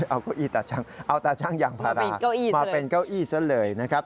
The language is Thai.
เอาเก้าอี้ตาชังเอาตาชั่งยางพารามาเป็นเก้าอี้ซะเลยนะครับ